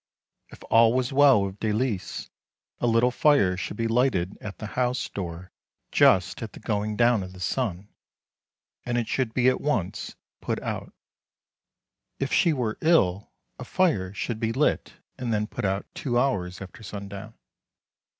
If all was well with Dalice a little fire should be lighted at the house door just at the going down of the sun, and it should be at once put out. If she were ill, a fire should be lit and then put out two hours after sundown.